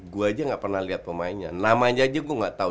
gue aja gak pernah lihat pemainnya namanya aja gue gak tau